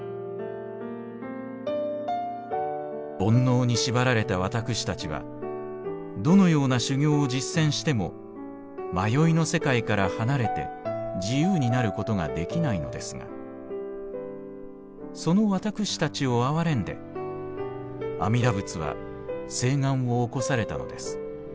「煩悩に縛られた私たちはどのような修行を実践しても迷いの世界から離れて自由になることができないのですがその私たちを憐れんで阿弥陀仏は誓願を起こされたのです。